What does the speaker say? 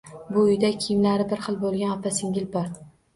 Bu uyda kiyimlari bir xil bo'lgan opa-singil bor.